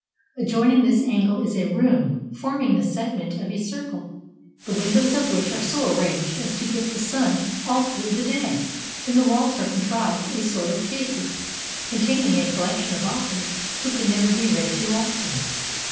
Adjoining this angle is a room forming the segment of a circle, the windows of which are so arranged as to get the sun all through the day: in the walls are contrived a sort of cases, containing a collection of authors who can never be read too often.